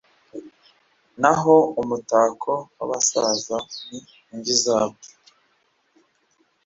naho umutako w'abasaza ni imvi zabo